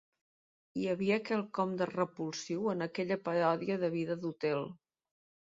Hi havia quelcom de repulsiu en aquella paròdia de vida d'hotel